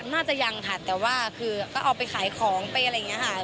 น่าจะยังค่ะแต่ว่าคือก็เอาไปขายของไปอะไรอย่างนี้ค่ะ